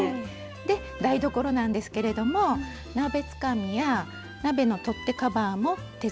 で台所なんですけれども鍋つかみや鍋の取っ手カバーも手作りで愛用しています。